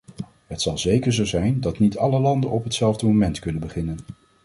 Het zal zeker zo zijn dat niet alle landen op hetzelfde moment kunnen beginnen.